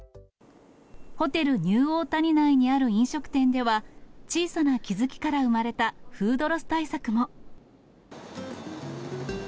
ホテルニューオータニ内にある飲食店では、小さな気付きから生まれたフードロス対策も。